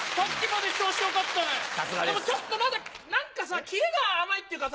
でもちょっとまだ何かさキレが甘いっていうかさ。